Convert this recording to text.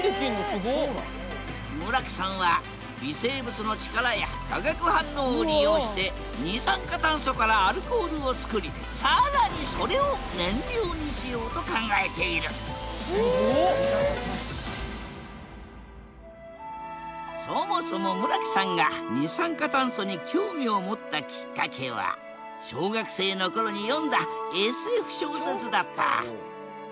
村木さんは微生物の力や化学反応を利用して二酸化炭素からアルコールを作り更にそれを燃料にしようと考えているそもそも村木さんが二酸化炭素に興味を持ったきっかけは小学生の頃に読んだＳＦ小説だった。